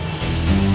oke sampai jumpa